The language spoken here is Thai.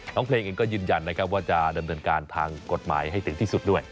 เพลงเองก็ยืนยันนะครับว่าจะดำเนินการทางกฎหมายให้ถึงที่สุดด้วย